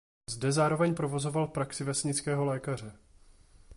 Zde zároveň provozoval praxi vesnického lékaře.